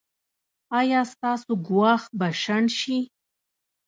ایا ستاسو ګواښ به شنډ شي؟